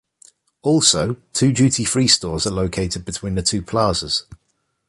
Also, two duty-free stores are located between the two plazas.